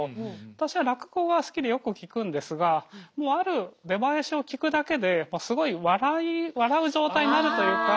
私は落語が好きでよく聴くんですがもうある出囃子を聴くだけですごい笑う状態になるというか。